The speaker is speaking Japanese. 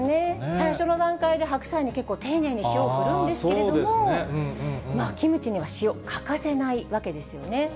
最初の段階で白菜に結構丁寧に塩を振るんですけれども、キムチには塩、欠かせないわけですよね。